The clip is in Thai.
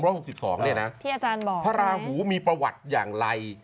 ที่อาจารย์บอกพระราหูมีประวัติอย่างไร